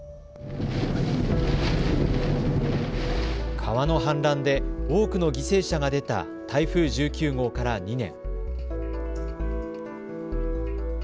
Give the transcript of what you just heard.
川の氾濫で多くの犠牲者が出た台風１９号から２年。